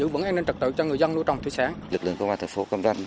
với lực lượng công an thành phố cam ranh